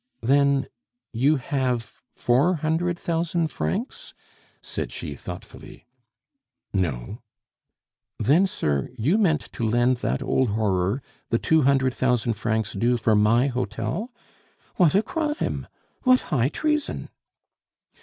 "Then you have four hundred thousand francs?" said she thoughtfully. "No." "Then, sir, you meant to lend that old horror the two hundred thousand francs due for my hotel? What a crime, what high treason!"